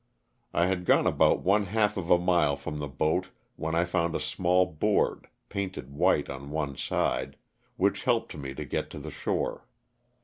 I had gone about one half of a mile from the boat when I found a small board (painted white on one side) which helped me to get to the shore.